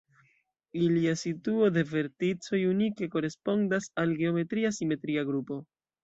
Ilia situo de verticoj unike korespondas al geometria simetria grupo.